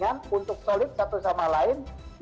yang berkenaan dengan kepentingan kepentingan melalui jaringan